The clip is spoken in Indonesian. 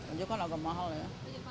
ini kan agak mahal ya